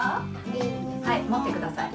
はいもってください。